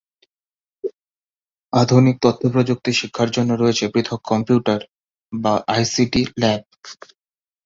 আধুনিক তথ্য প্রযুক্তি শিক্ষার জন্য রয়েছে পৃথক কম্পিউটার/আইসিটি ল্যাব।